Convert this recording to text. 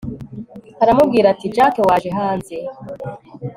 aramubwira ati jakc waje hanze